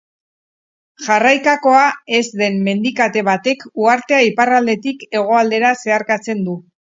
Jarraikakoa ez den mendikate batek uhartea iparraldetik hegoaldera zeharkatzen du.